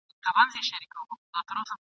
د آواز کیسې یې ولاړې تر ملکونو ..